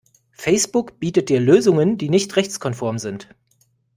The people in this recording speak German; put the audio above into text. Facebook bietet dir Lösungen die nicht rechtskonform sind.